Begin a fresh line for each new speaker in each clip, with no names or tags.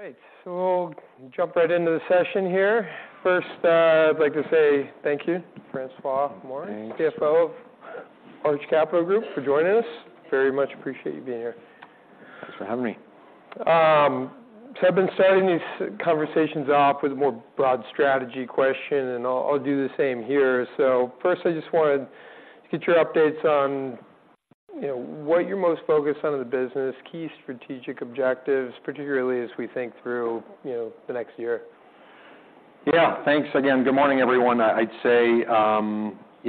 Great, so we'll jump right into the session here. First, I'd like to say thank you, François Morin-
Thanks.
CFO of Arch Capital Group, for joining us. Very much appreciate you being here.
Thanks for having me.
So I've been starting these conversations off with a more broad strategy question, and I'll do the same here. So first, I just wanted to get your updates on, you know, what you're most focused on in the business, key strategic objectives, particularly as we think through, you know, the next year.
Yeah. Thanks again. Good morning, everyone. I'd say, you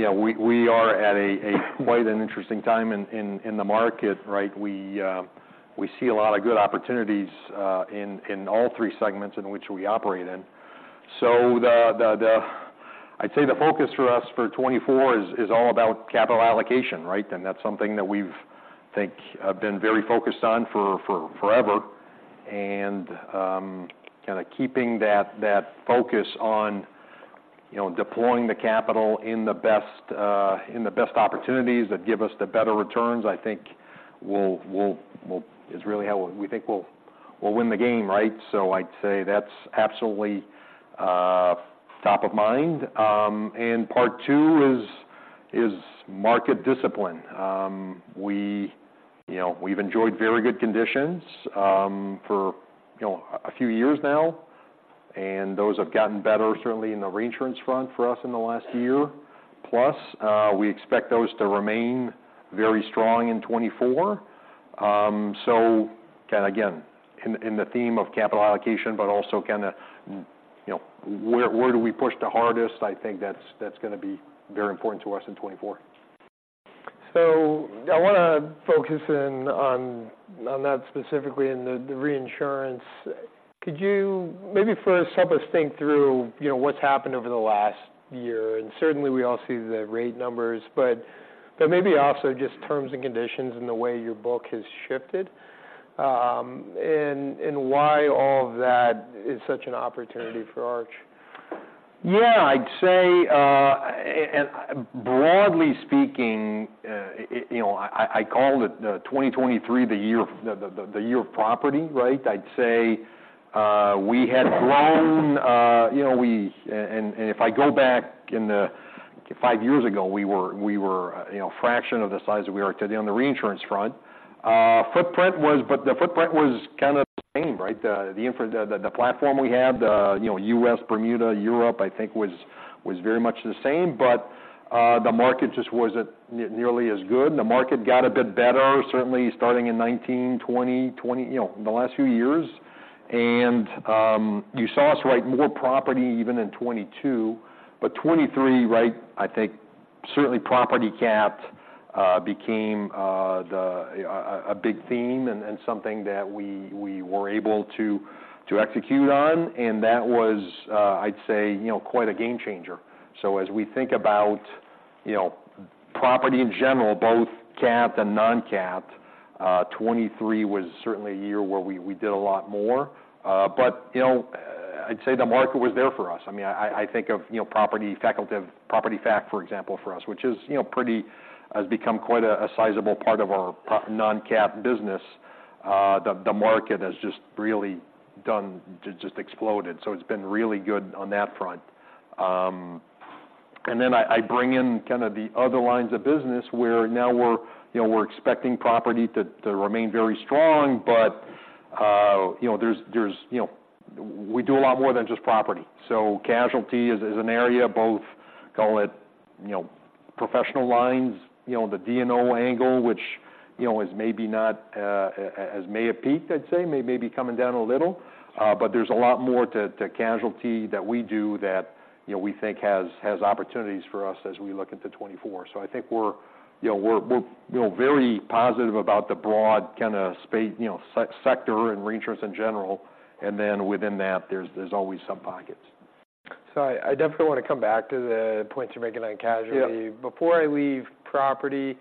know, we are at a quite an interesting time in the market, right? We see a lot of good opportunities in all three segments in which we operate in. So the focus for us for 2024 is all about capital allocation, right? And that's something that we've, I think, have been very focused on for forever. And kind of keeping that focus on, you know, deploying the capital in the best opportunities that give us the better returns, I think is really how we think we'll win the game, right? So I'd say that's absolutely top of mind. And part two is market discipline. You know, we've enjoyed very good conditions for you know a few years now, and those have gotten better, certainly in the reinsurance front for us in the last year. Plus, we expect those to remain very strong in 2024. So kind of, again, in the theme of capital allocation, but also kind of, you know, where do we push the hardest? I think that's going to be very important to us in 2024.
So I want to focus in on that specifically, in the reinsurance. Could you maybe first help us think through, you know, what's happened over the last year? And certainly, we all see the rate numbers, but maybe also just terms and conditions and the way your book has shifted, and why all of that is such an opportunity for Arch.
Yeah, I'd say, and broadly speaking, you know, I called it 2023, the year of property, right? I'd say, we had grown, you know, and if I go back five years ago, we were a fraction of the size that we are today on the reinsurance front. Footprint was, but the footprint was kind of the same, right? The infrastructure, the platform we had, you know, U.S., Bermuda, Europe, I think was very much the same, but the market just wasn't nearly as good. The market got a bit better, certainly starting in 2019, 2020, you know, the last few years. And you saw us write more property even in 2022. But 2023, right, I think certainly property cat became a big theme and something that we were able to execute on, and that was, I'd say, you know, quite a game changer. So as we think about, you know, property in general, both cat and non-cat, 2023 was certainly a year where we did a lot more. But, you know, I'd say the market was there for us. I mean, I think of, you know, property fac, for example, for us, which is, you know, has become quite a sizable part of our property non-cat business. The market has just really exploded, so it's been really good on that front. And then I bring in kind of the other lines of business, where now we're, you know, we're expecting property to remain very strong, but, you know, there's you know, we do a lot more than just property. So casualty is an area both, call it, you know, professional lines, you know, the D&O angle, which, you know, is maybe not has maybe peaked, I'd say, maybe coming down a little. But there's a lot more to casualty that we do that, you know, we think has opportunities for us as we look into 2024. So I think we're, you know, we're very positive about the broad kind of sector in reinsurance in general, and then within that, there's always some pockets.
So I definitely want to come back to the points you're making on casualty.
Yeah.
Before I leave property,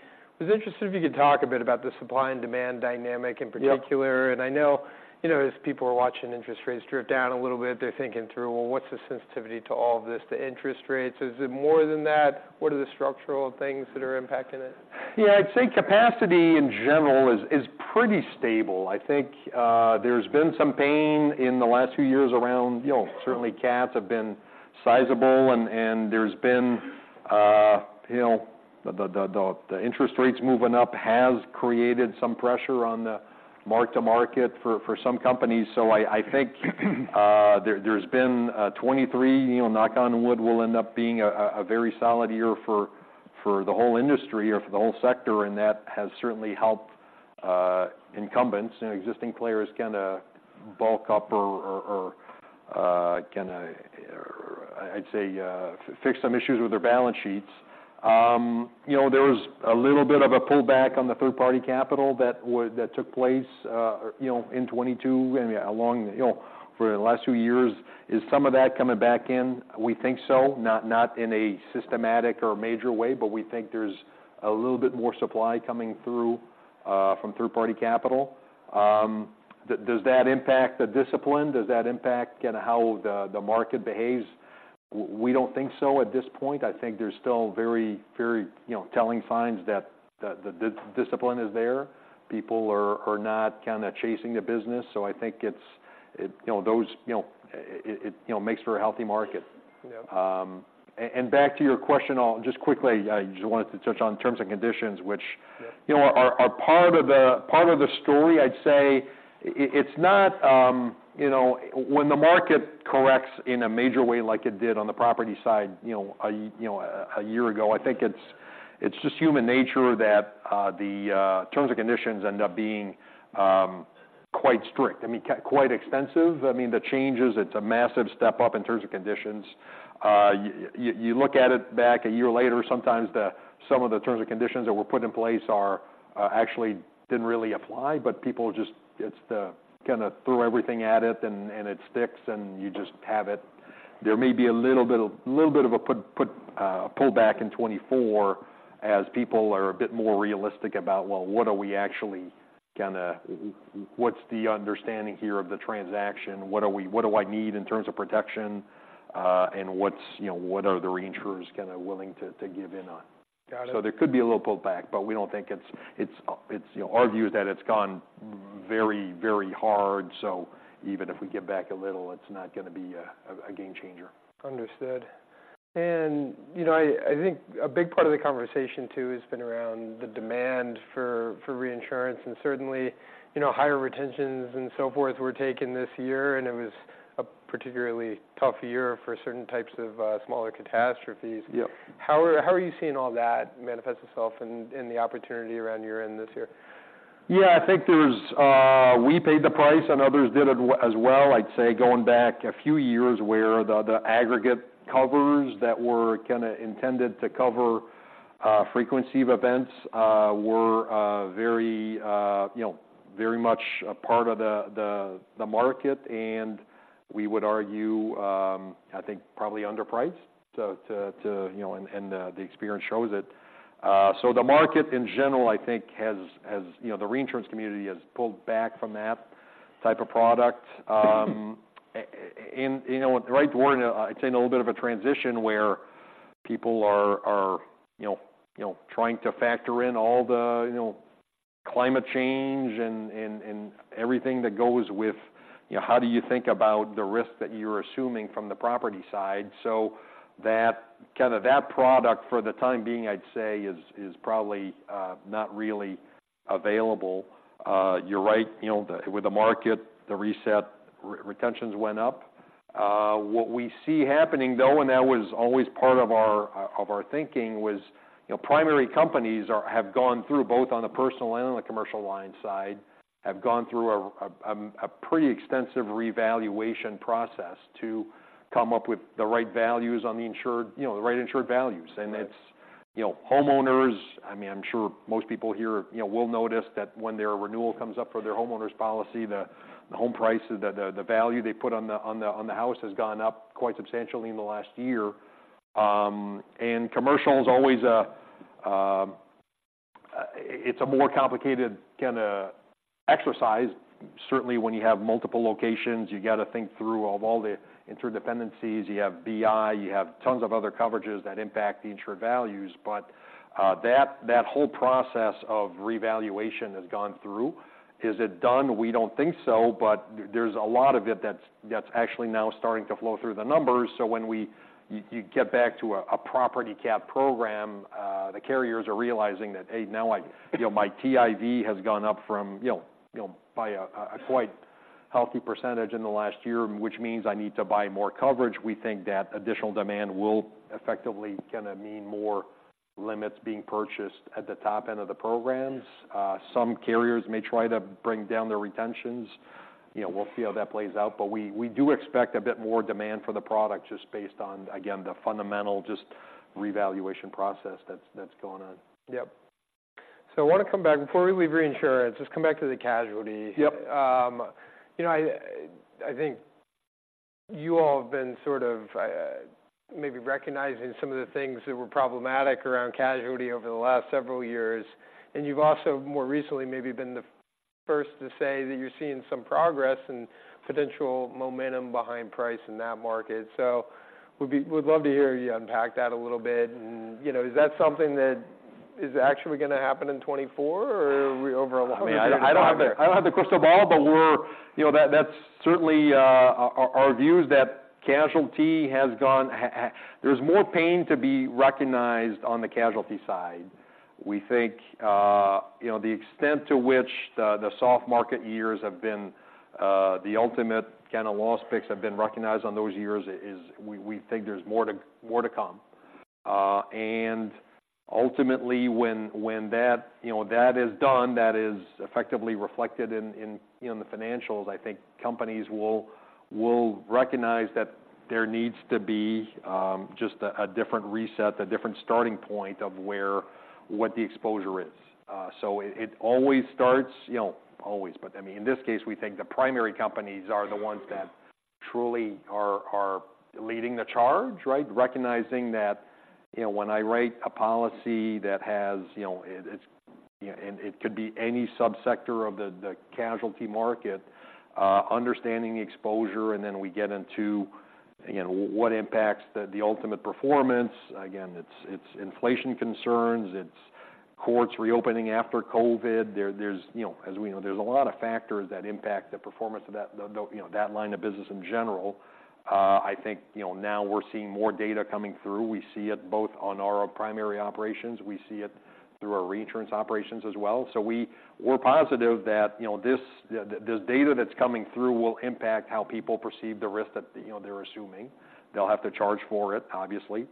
I was interested if you could talk a bit about the supply and demand dynamic in particular.
Yeah.
I know, you know, as people are watching interest rates drift down a little bit, they're thinking through, "Well, what's the sensitivity to all of this, the interest rates?" Is it more than that? What are the structural things that are impacting it?
Yeah, I'd say capacity in general is, is pretty stable. I think, there's been some pain in the last few years around... You know, certainly, cats have been sizable, and, there's been, you know, the, the, the, the interest rates moving up has created some pressure on the mark to market for, for some companies. So I, I think, there, there's been, 2023, you know, knock on wood, will end up being a, a very solid year for, for the whole industry or for the whole sector, and that has certainly helped, incumbents and existing players kind of bulk up or, or, or, kind of, I'd say, fix some issues with their balance sheets. You know, there was a little bit of a pullback on the third-party capital that took place, you know, in 2022 and along, you know, for the last few years. Is some of that coming back in? We think so, not, not in a systematic or major way, but we think there's a little bit more supply coming through, from third-party capital. Does that impact the discipline? Does that impact kind of how the, the market behaves? We don't think so at this point. I think there's still very, very, you know, telling signs that, that the, the discipline is there. People are, are not kind of chasing the business, so I think it's, it, you know, those, you know, it, it, you know, makes for a healthy market.
Yeah.
And back to your question, I'll just quickly, I just wanted to touch on terms and conditions, which-
Yeah....
you know, are part of the story. I'd say it's not, you know, when the market corrects in a major way like it did on the property side, you know, a year ago, I think it's just human nature that the terms and conditions end up being quite strict. I mean, quite extensive. I mean, the changes, it's a massive step up in terms of conditions. You look at it back a year later, sometimes some of the terms and conditions that were put in place are actually didn't really apply, but people just it's the kind of throw everything at it, and it sticks, and you just have it. There may be a little bit of a pullback in 2024 as people are a bit more realistic about, well, what are we actually gonna what's the understanding here of the transaction? What are we what do I need in terms of protection? And what's, you know, what are the reinsurers kind of willing to give in on?
Got it.
So there could be a little pullback, but we don't think it's... You know, our view is that it's gone very, very hard, so even if we give back a little, it's not gonna be a game changer.
Understood. And, you know, I think a big part of the conversation, too, has been around the demand for reinsurance. And certainly, you know, higher retentions and so forth were taken this year, and it was a particularly tough year for certain types of smaller catastrophes.
Yep.
How are you seeing all that manifest itself in the opportunity around your end this year?
Yeah, I think there's... We paid the price, and others did it as well. I'd say going back a few years where the aggregate covers that were kind of intended to cover frequency of events were very you know very much a part of the market, and we would argue, I think probably underpriced. So to... You know, and the experience shows it. So the market in general, I think, has you know the reinsurance community has pulled back from that type of product. You know, the right word, it's in a little bit of a transition where people are, you know, trying to factor in all the, you know, climate change and everything that goes with, you know, how do you think about the risk that you're assuming from the property side? So that, kind of that product, for the time being, I'd say, is probably not really available. You're right, you know, with the market, the reset retentions went up. What we see happening, though, and that was always part of our thinking, was, you know, primary companies have gone through, both on the personal and on the commercial line side, have gone through a pretty extensive revaluation process to come up with the right values on the insured, you know, the right insured values.
Right.
And it's, you know, homeowners, I mean, I'm sure most people here, you know, will notice that when their renewal comes up for their homeowners policy, the home price, the value they put on the house has gone up quite substantially in the last year. And commercial is always a more complicated kind of exercise. Certainly, when you have multiple locations, you got to think through of all the interdependencies. You have BI, you have tons of other coverages that impact the insured values. But that whole process of revaluation has gone through. Is it done? We don't think so, but there's a lot of it that's actually now starting to flow through the numbers. So when you get back to a property cat program, the carriers are realizing that, hey, now I, you know, my TIV has gone up from, you know, you know, by a quite healthy percentage in the last year, which means I need to buy more coverage. We think that additional demand will effectively kind of mean more limits being purchased at the top end of the programs. Some carriers may try to bring down their retentions. You know, we'll see how that plays out, but we do expect a bit more demand for the product just based on, again, the fundamental, just revaluation process that's going on.
Yep. So I want to come back. Before we leave reinsurance, just come back to the casualty.
Yep.
You know, I think you all have been sort of maybe recognizing some of the things that were problematic around casualty over the last several years, and you've also more recently maybe been the first to say that you're seeing some progress and potential momentum behind price in that market. So would love to hear you unpack that a little bit. And, you know, is that something that is actually going to happen in 2024, or are we over optimistic about it?
I mean, I don't have the crystal ball, but we're you know, that's certainly our view is that casualty has gone. There's more pain to be recognized on the casualty side. We think you know, the extent to which the soft market years have been the ultimate kind of loss picks have been recognized on those years is we think there's more to come. And ultimately, when that is done, that is effectively reflected in you know, in the financials, I think companies will recognize that there needs to be just a different reset, a different starting point of what the exposure is. So it always starts, you know, always, but I mean, in this case, we think the primary companies are the ones that truly are leading the charge, right? Recognizing that you know, when I write a policy that has, you know, it's and it could be any subsector of the casualty market, understanding the exposure, and then we get into, you know, what impacts the ultimate performance. Again, it's inflation concerns, it's courts reopening after COVID. There's you know, as we know, there's a lot of factors that impact the performance of that, the you know, that line of business in general. I think, you know, now we're seeing more data coming through. We see it both on our primary operations, we see it through our reinsurance operations as well. So we're positive that, you know, this data that's coming through will impact how people perceive the risk that, you know, they're assuming. They'll have to charge for it, obviously.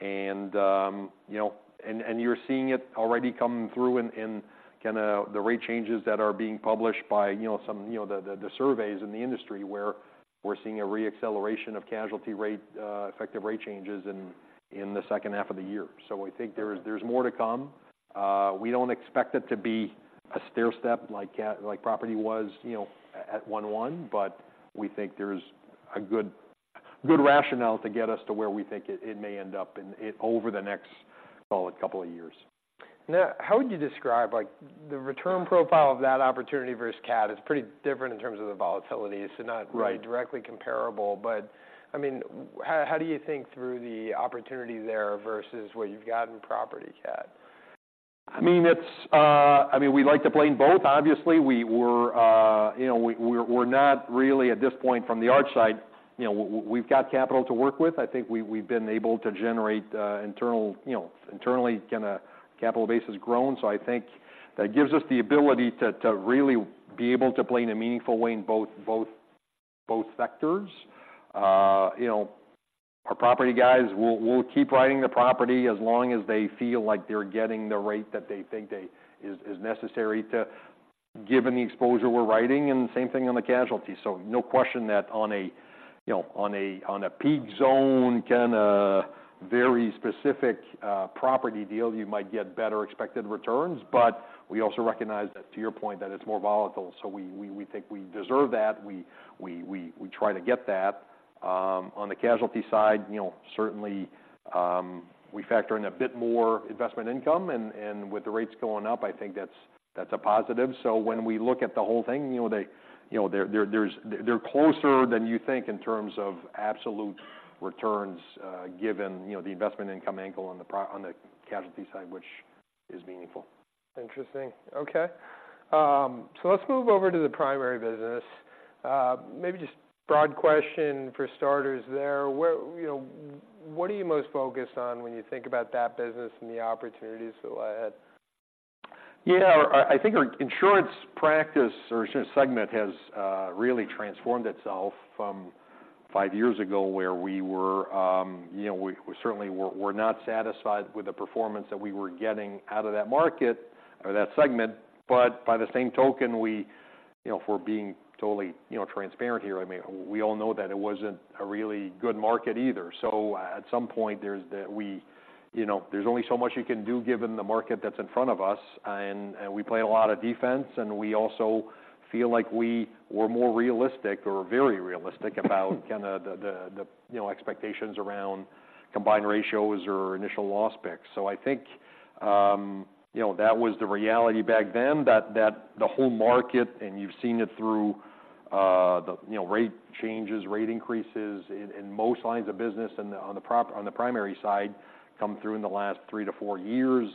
And, you know, and you're seeing it already come through in kind of the rate changes that are being published by, you know, some, you know, the surveys in the industry, where we're seeing a reacceleration of casualty rate effective rate changes in the second half of the year. So I think there's more to come. We don't expect it to be a stairstep like property was, you know, at 1/1, but we think there's a good rationale to get us to where we think it may end up in it over the next, call it, couple of years.
Now, how would you describe, like... the return profile of that opportunity versus cat is pretty different in terms of the volatility, so not-
Right....
directly comparable. But, I mean, how do you think through the opportunity there versus what you've got in property cat?
I mean, it's, I mean, we'd like to play in both. Obviously, we were, you know, we, we're, we're not really at this point from the Arch side. You know, we've got capital to work with. I think we, we've been able to generate, internal, you know, internally, kind of, capital base has grown. So I think that gives us the ability to, to really be able to play in a meaningful way in both, both, both sectors. You know, our property guys will, will keep writing the property as long as they feel like they're getting the rate that they think is, is necessary, given the exposure we're writing, and same thing on the casualty. So no question that on a, you know, on a, on a peak zone, kind of, very specific, property deal, you might get better expected returns. But we also recognize that, to your point, that it's more volatile. So we think we deserve that. We try to get that. On the casualty side, you know, certainly, we factor in a bit more investment income, and with the rates going up, I think that's a positive. So when we look at the whole thing, you know, they're closer than you think in terms of absolute returns, given, you know, the investment income angle on the casualty side, which is meaningful.
Interesting. Okay, so let's move over to the primary business. Maybe just broad question for starters there. You know, what are you most focused on when you think about that business and the opportunities? Go ahead?
Yeah, I think our insurance practice or insurance segment has really transformed itself from five years ago, where we were, you know, we certainly were not satisfied with the performance that we were getting out of that market or that segment. But by the same token, you know, if we're being totally, you know, transparent here, I mean, we all know that it wasn't a really good market either. So at some point, you know, there's only so much you can do given the market that's in front of us, and we play a lot of defense, and we also feel like we were more realistic or very realistic about kind of the, you know, expectations around combined ratios or initial loss picks. So I think, you know, that was the reality back then, that the whole market, and you've seen it through, you know, the rate changes, rate increases in most lines of business and on the primary side, come through in the last three to four years.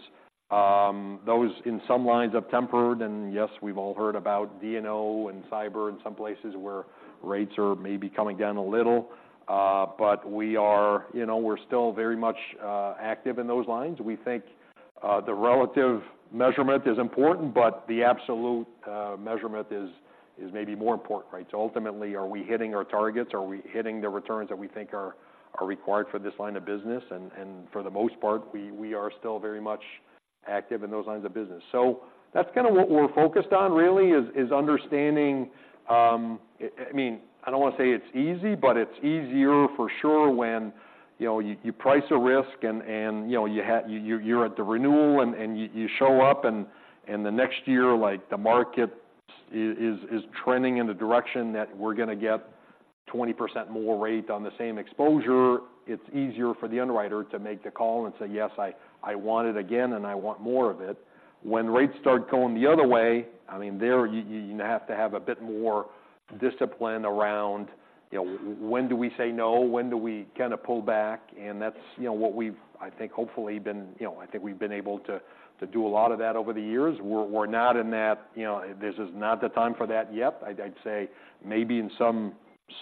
Those, in some lines, have tempered, and yes, we've all heard about D&O and cyber in some places where rates are maybe coming down a little. But we are, you know, we're still very much active in those lines. We think the relative measurement is important, but the absolute measurement is maybe more important, right? So ultimately, are we hitting our targets? Are we hitting the returns that we think are required for this line of business? And for the most part, we are still very much active in those lines of business. So that's kind of what we're focused on, really, is understanding. I mean, I don't want to say it's easy, but it's easier for sure, when you know, you price a risk and you know, you're at the renewal and you show up and the next year, like, the market is trending in the direction that we're going to get 20% more rate on the same exposure. It's easier for the underwriter to make the call and say: Yes, I want it again, and I want more of it. When rates start going the other way, I mean, there you have to have a bit more discipline around, you know, when do we say no? When do we kind of pull back? And that's, you know, what we've, I think, hopefully been... You know, I think we've been able to, to do a lot of that over the years. We're, we're not in that, you know, this is not the time for that yet. I'd, I'd say maybe in some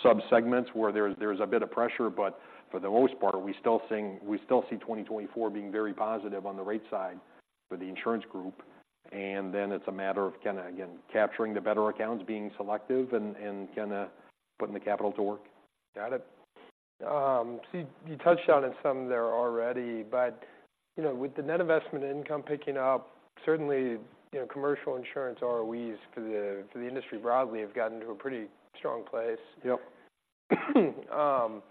subsegments where there's, there's a bit of pressure, but for the most part, we still see 2024 being very positive on the rate side for the insurance group. And then it's a matter of kind of, again, capturing the better accounts, being selective, and, and kind of putting the capital to work.
Got it. So you touched on it some there already, but, you know, with the net investment income picking up, certainly, you know, commercial insurance ROEs for the, for the industry broadly, have gotten to a pretty strong place.
Yep.
You know,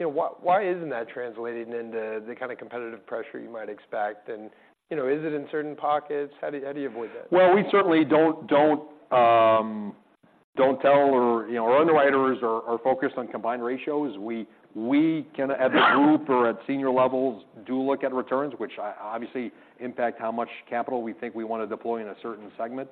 why isn't that translating into the kind of competitive pressure you might expect? And, you know, is it in certain pockets? How do you avoid that?
Well, we certainly don't tell, or, you know, our underwriters are focused on combined ratios. We can, at the group or at senior levels, do look at returns, which obviously impact how much capital we think we want to deploy in a certain segment.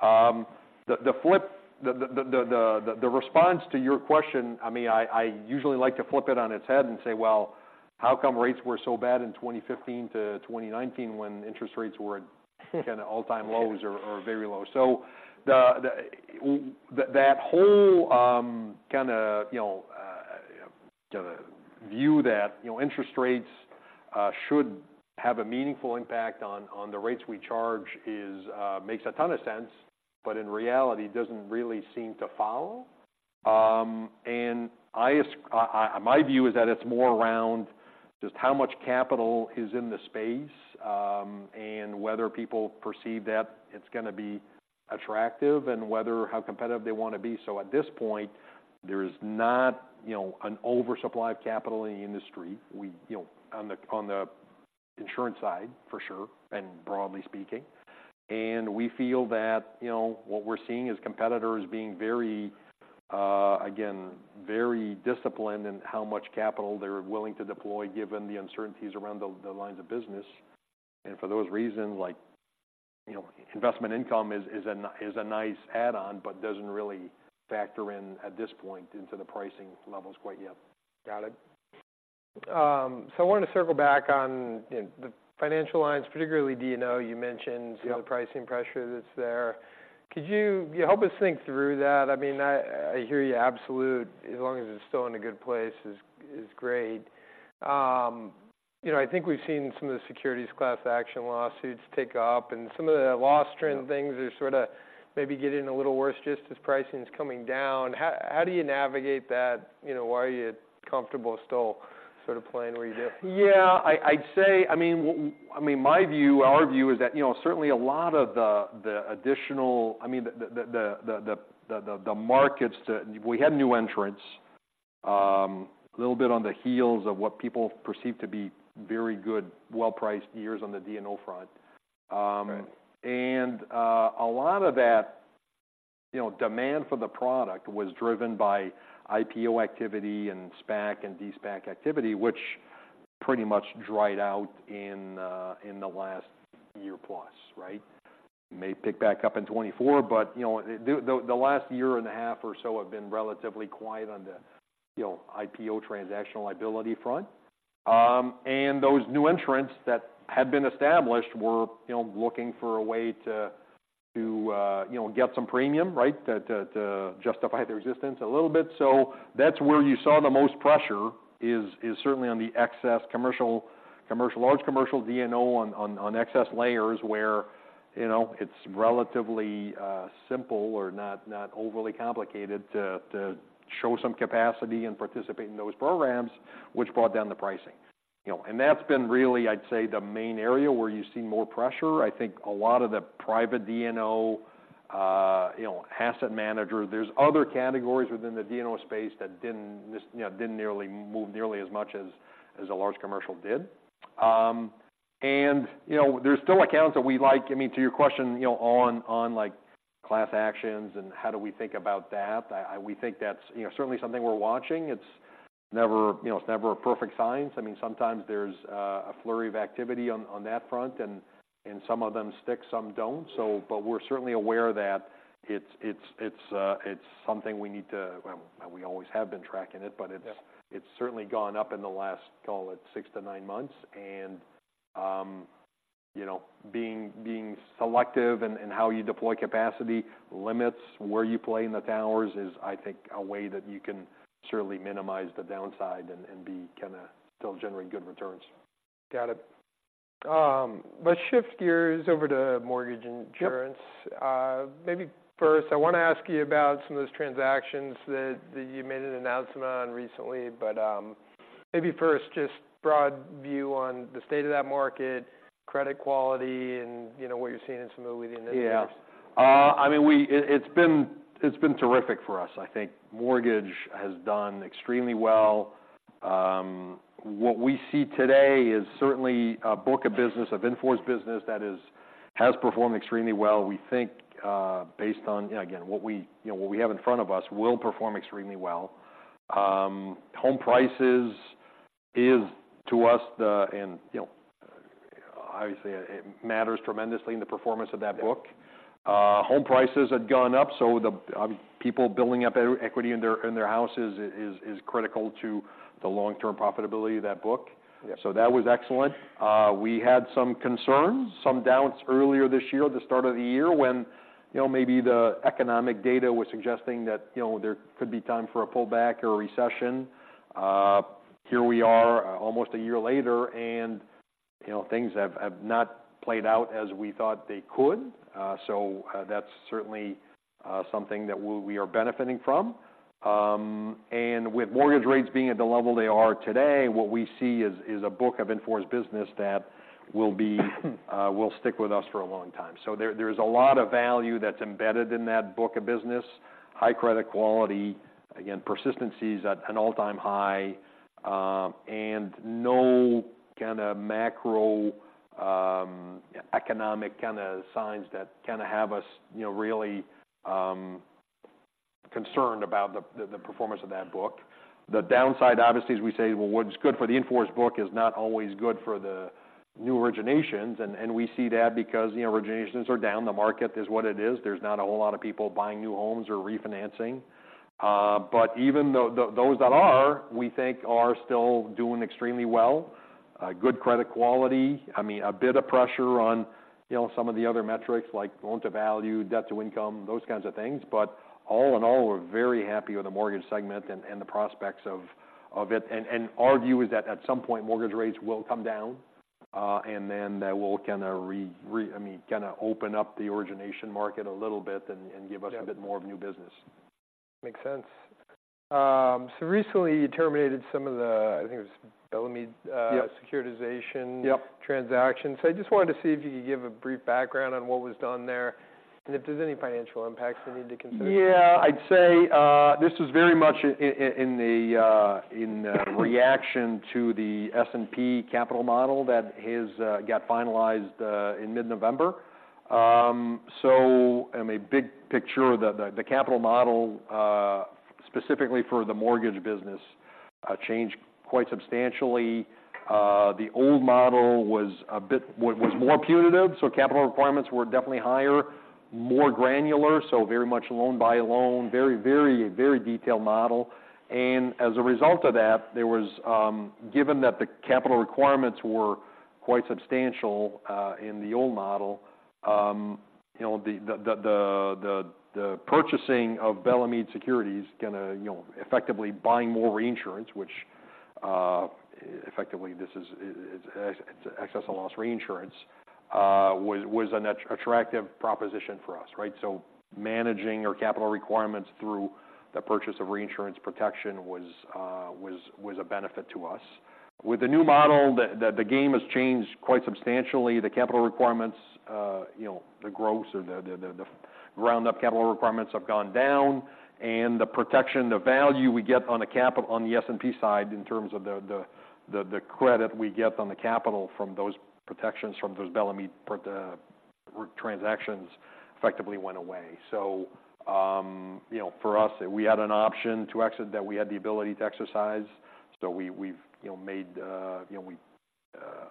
The flip response to your question, I mean, I usually like to flip it on its head and say, "Well, how come rates were so bad in 2015-2019 when interest rates were at kind of all-time lows or very low?" So that whole kind of, you know, the view that, you know, interest rates should have a meaningful impact on the rates we charge makes a ton of sense, but in reality, doesn't really seem to follow. My view is that it's more around just how much capital is in the space, and whether people perceive that it's going to be attractive and whether how competitive they want to be. So at this point, there is not, you know, an oversupply of capital in the industry. We, you know, on the insurance side, for sure, and broadly speaking. And we feel that, you know, what we're seeing is competitors being very, again, very disciplined in how much capital they're willing to deploy, given the uncertainties around the lines of business. And for those reasons, like, you know, investment income is a nice add-on, but doesn't really factor in at this point into the pricing levels quite yet.
Got it. So I wanted to circle back on, you know, the financial lines, particularly D&O, you mentioned-
Yeah....
the pricing pressure that's there. Could you help us think through that? I mean, I hear you absolutely, as long as it's still in a good place, is great. You know, I think we've seen some of the securities class action lawsuits tick up, and some of the loss trend things are sort of maybe getting a little worse just as pricing is coming down. How do you navigate that? You know, why are you comfortable still sort of playing where you do?
Yeah, I'd say. I mean, my view, our view is that, you know, certainly a lot of the additional—I mean, the markets that we had new entrants, a little bit on the heels of what people perceive to be very good, well-priced years on the D&O front.
Right.
And, a lot of that, you know, demand for the product was driven by IPO activity and SPAC and de-SPAC activity, which pretty much dried out in the last year plus, right? May pick back up in 2024, but, you know, the last year and a half or so have been relatively quiet on the, you know, IPO transactional liability front. And those new entrants that had been established were, you know, looking for a way to, you know, get some premium, right? To justify their existence a little bit. So that's where you saw the most pressure is certainly on the excess commercial large commercial D&O on excess layers, where, you know, it's relatively simple or not overly complicated to show some capacity and participate in those programs, which brought down the pricing. You know, and that's been really, I'd say, the main area where you see more pressure. I think a lot of the private D&O, you know, asset manager, there's other categories within the D&O space that didn't, you know, move nearly as much as a large commercial did. And, you know, there's still accounts that we like. I mean, to your question, you know, on like class actions and how do we think about that? We think that's, you know, certainly something we're watching. It's never, you know, it's never a perfect science. I mean, sometimes there's a flurry of activity on that front, and some of them stick, some don't. So but we're certainly aware that it's something we need to... Well, we always have been tracking it, but it's-
Yeah....
it's certainly gone up in the last, call it, six to nine months. And you know, being selective in how you deploy capacity limits, where you play in the towers, is, I think, a way that you can certainly minimize the downside and be kind of still generate good returns.
Got it. Let's shift gears over to mortgage insurance.
Yep.
Maybe first, I want to ask you about some of those transactions that you made an announcement on recently, but maybe first, just broad view on the state of that market, credit quality, and, you know, what you're seeing in some of the initiatives.
Yeah. I mean, we, it's been, it's been terrific for us. I think mortgage has done extremely well. What we see today is certainly a book of business, of in-force business that has performed extremely well. We think, based on, again, what we, you know, what we have in front of us, will perform extremely well. Home prices is to us, the... And, you know, obviously, it matters tremendously in the performance of that book.
Yeah.
Home prices had gone up, so the people building up equity in their houses is critical to the long-term profitability of that book.
Yeah.
So that was excellent. We had some concerns, some doubts earlier this year, the start of the year, when, you know, maybe the economic data was suggesting that, you know, there could be time for a pullback or a recession. Here we are, almost a year later, and, you know, things have not played out as we thought they could. So, that's certainly something that we are benefiting from. And with mortgage rates being at the level they are today, what we see is a book of in-force business that will stick with us for a long time. So, there's a lot of value that's embedded in that book of business, high credit quality. Again, persistency is at an all-time high, and no kind of macro economic kind of signs that kind of have us, you know, really concerned about the performance of that book. The downside, obviously, as we say, well, what's good for the in-force book is not always good for the new originations, and we see that because, you know, originations are down. The market is what it is. There's not a whole lot of people buying new homes or refinancing. But even though those that are, we think are still doing extremely well. Good credit quality, I mean, a bit of pressure on, you know, some of the other metrics like loan-to-value, debt-to-income, those kinds of things. But all in all, we're very happy with the mortgage segment and the prospects of it. And our view is that at some point, mortgage rates will come down, and then that will kind of, I mean, kind of open up the origination market a little bit and give us-
Yeah....
a bit more of new business.
Makes sense. So recently, you terminated some of the, I think it was Bellemeade,
Yep....
securitization-
Yep....
transactions. So I just wanted to see if you could give a brief background on what was done there, and if there's any financial impacts we need to consider?
Yeah. I'd say this was very much in the reaction to the S&P capital model that has got finalized in mid-November. So, I mean, big picture, the capital model specifically for the mortgage business changed quite substantially. The old model was a bit more punitive, so capital requirements were definitely higher, more granular, so very much loan by loan, very, very, very detailed model. And as a result of that, there was... Given that the capital requirements were quite substantial in the old model, you know, the purchasing of Bellemeade Securities can, you know, effectively buying more reinsurance, which effectively this is excess of loss reinsurance was an attractive proposition for us, right? So managing our capital requirements through the purchase of reinsurance protection was a benefit to us. With the new model, the game has changed quite substantially. The capital requirements, you know, the gross or the roundup capital requirements have gone down, and the protection, the value we get on the capital—on the S&P side, in terms of the credit we get on the capital from those protections, from those Bellemeade part transactions, effectively went away. So, you know, for us, we had an option to exit, that we had the ability to exercise. So we've, you know, made, you know, we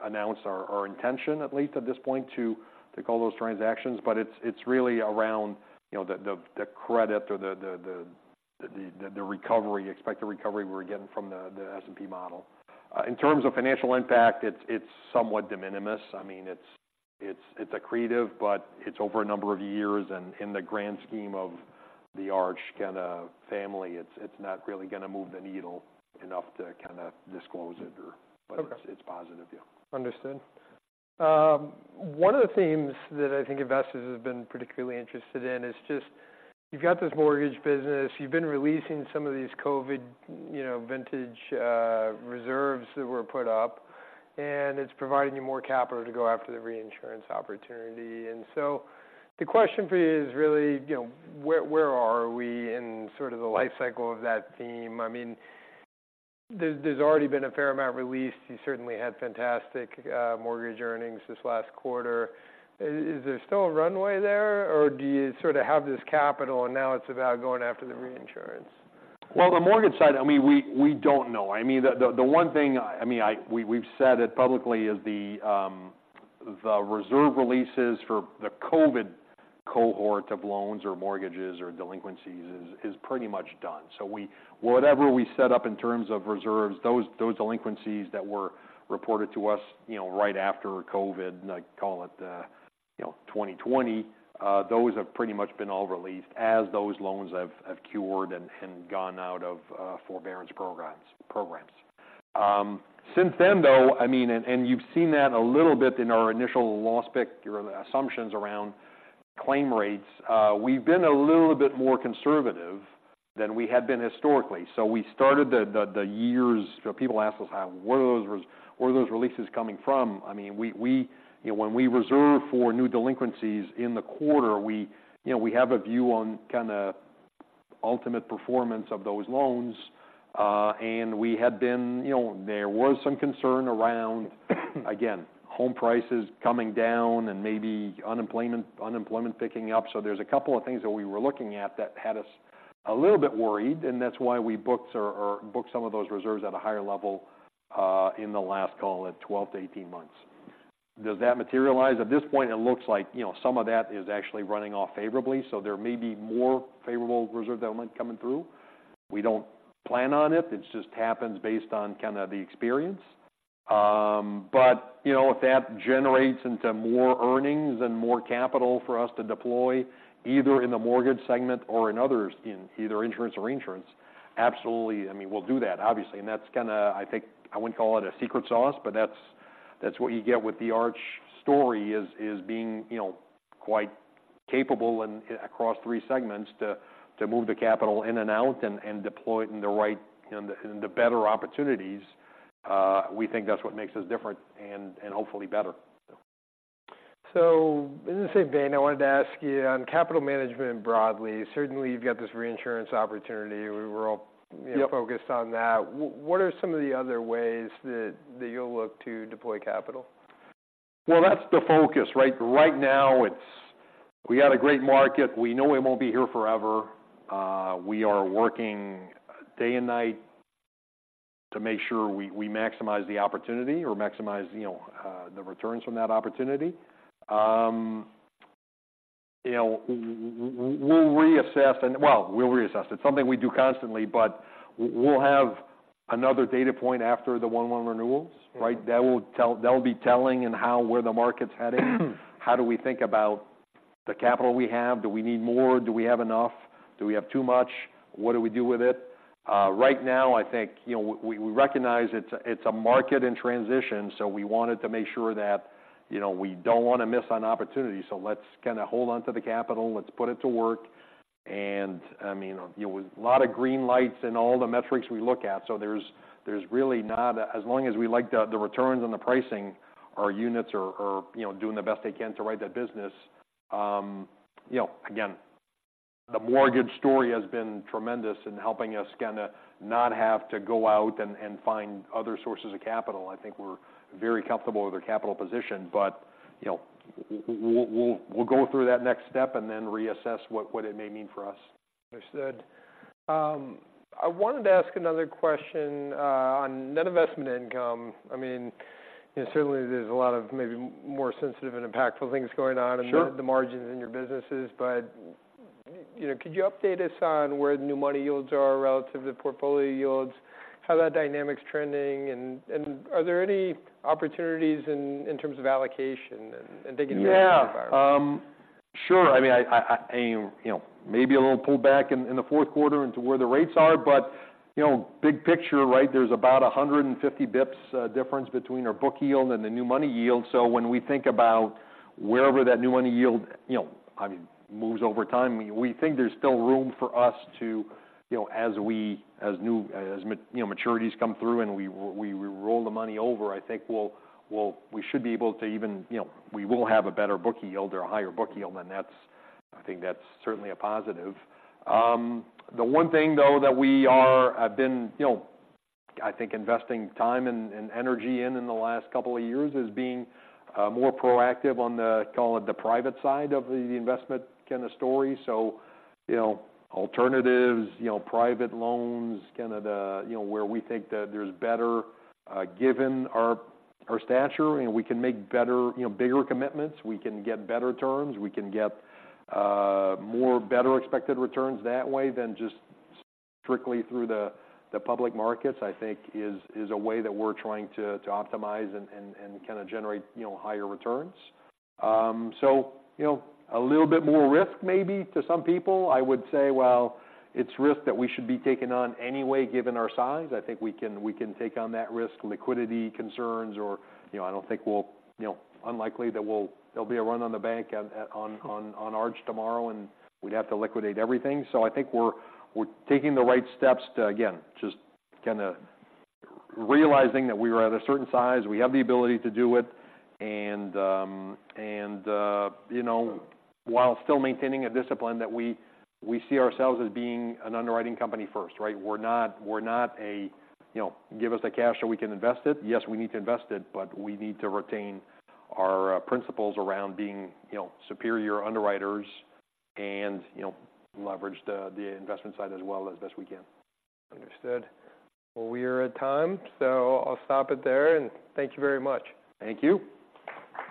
announced our intention, at least at this point, to take all those transactions. But it's really around, you know, the credit or the expected recovery we're getting from the S&P model. In terms of financial impact, it's somewhat de minimis. I mean, it's accretive, but it's over a number of years, and in the grand scheme of the Arch kind of family, it's not really going to move the needle enough to kind of disclose it or-
Okay....
but it's positive, yeah.
Understood. One of the themes that I think investors have been particularly interested in is just, you've got this mortgage business, you've been releasing some of these COVID, you know, vintage, reserves that were put up, and it's providing you more capital to go after the reinsurance opportunity. And so the question for you is really, you know, where, where are we in sort of the life cycle of that theme? I mean, there's, there's already been a fair amount released. You certainly had fantastic, mortgage earnings this last quarter. Is, is there still a runway there, or do you sort of have this capital and now it's about going after the reinsurance?
Well, the mortgage side, I mean, we don't know. I mean, the one thing, I mean, we've said it publicly, is the reserve releases for the COVID cohort of loans or mortgages or delinquencies is pretty much done. So whatever we set up in terms of reserves, those delinquencies that were reported to us, you know, right after COVID, and I call it, you know, 2020, those have pretty much been all released as those loans have cured and gone out of forbearance programs. Since then, though, I mean, and you've seen that a little bit in our initial loss pick or the assumptions around claim rates, we've been a little bit more conservative than we had been historically. So we started the years... So people ask us, "How, where are those releases coming from?" I mean, you know, when we reserve for new delinquencies in the quarter, you know, we have a view on kind of ultimate performance of those loans. And you know, there was some concern around, again, home prices coming down and maybe unemployment picking up. So there's a couple of things that we were looking at that had us a little bit worried, and that's why we booked some of those reserves at a higher level in the last, call it 12-18 months. Does that materialize? At this point, it looks like, you know, some of that is actually running off favorably, so there may be more favorable reserve development coming through. We don't plan on it, it just happens based on kind of the experience. But, you know, if that generates into more earnings and more capital for us to deploy, either in the mortgage segment or in others, in either insurance or insurance, absolutely, I mean, we'll do that, obviously. And that's kind of, I think... I wouldn't call it a secret sauce, but that's, that's what you get with the Arch story, is, is being, you know, quite capable and across three segments, to, to move the capital in and out and, and deploy it in the right, in the, in the better opportunities. We think that's what makes us different and, and hopefully better.
So in the same vein, I wanted to ask you on capital management broadly, certainly you've got this reinsurance opportunity. We were all-
Yep....
focused on that. What are some of the other ways that you'll look to deploy capital?
Well, that's the focus, right? Right now, it's we got a great market. We know it won't be here forever. We are working day and night to make sure we maximize the opportunity or maximize, you know, the returns from that opportunity. You know, we'll reassess and. Well, we'll reassess. It's something we do constantly, but we'll have another data point after the 1/1 renewals, right? That will tell. That'll be telling in how, where the market's heading. How do we think about the capital we have? Do we need more? Do we have enough? Do we have too much? What do we do with it? Right now, I think, you know, we recognize it's a market in transition, so we wanted to make sure that, you know, we don't wanna miss an opportunity. So let's kind of hold on to the capital, let's put it to work, and, I mean, you know, a lot of green lights in all the metrics we look at. So there's really not a. As long as we like the returns on the pricing, our units are, you know, doing the best they can to write that business. You know, again, the mortgage story has been tremendous in helping us kind of not have to go out and find other sources of capital. I think we're very comfortable with our capital position, but, you know, we'll go through that next step and then reassess what it may mean for us.
Understood. I wanted to ask another question on net investment income. I mean, certainly there's a lot of maybe more sensitive and impactful things going on-
Sure....
in the margins in your businesses. But, you know, could you update us on where the new money yields are relative to the portfolio yields? How are that dynamic's trending, and are there any opportunities in terms of allocation and thinking-
Yeah.
-about environment?
Sure. I mean, I you know, maybe a little pullback in the fourth quarter into where the rates are. But, you know, big picture, right, there's about 150 basis points difference between our book yield and the new money yield. So when we think about wherever that new money yield, you know, I mean, moves over time, we think there's still room for us to, you know, as new maturities come through and we roll the money over, I think we'll, we should be able to even, you know, we will have a better book yield or a higher book yield, and that's, I think that's certainly a positive. The one thing, though, that we have been, you know, I think, investing time and energy in the last couple of years is being more proactive on the, call it, the private side of the investment kind of story. So, you know, alternatives, you know, private loans, kind of the, you know, where we think that there's better given our stature, and we can make better, you know, bigger commitments. We can get better terms, we can get more better expected returns that way than just strictly through the public markets, I think is a way that we're trying to optimize and kind of generate, you know, higher returns. So, you know, a little bit more risk maybe to some people. I would say, well, it's risk that we should be taking on anyway, given our size. I think we can take on that risk, liquidity concerns or, you know, I don't think we'll, you know, unlikely that we'll, there'll be a run on the bank on Arch tomorrow, and we'd have to liquidate everything. So I think we're taking the right steps to, again, just kind of realizing that we are at a certain size, we have the ability to do it, and, you know, while still maintaining a discipline that we see ourselves as being an underwriting company first, right? We're not, we're not a, you know, give us the cash, so we can invest it. Yes, we need to invest it, but we need to retain our principles around being, you know, superior underwriters and, you know, leverage the investment side as well as best we can.
Understood. Well, we are at time, so I'll stop it there, and thank you very much.
Thank you.